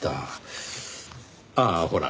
ああほら